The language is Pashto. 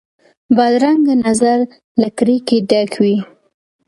بدرنګه نظر له کرکې ډک وي